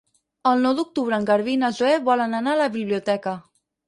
El nou d'octubre en Garbí i na Zoè volen anar a la biblioteca.